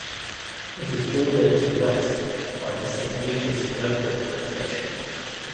It is bordered to the west by the Saint Regis Mohawk Reservation.